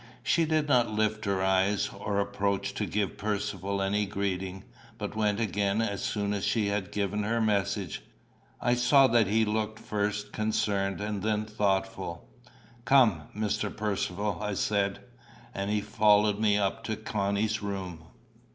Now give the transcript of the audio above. She did not lift her eyes, or approach to give Percivale any greeting, but went again as soon as she had given her message. I saw that he looked first concerned and then thoughtful. "Come, Mr. Percivale," I said; and he followed me up to Connie's room.